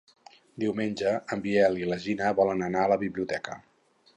Diumenge en Biel i na Gina volen anar a la biblioteca.